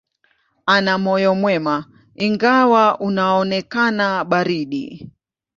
Ana moyo mwema, ingawa unaonekana baridi.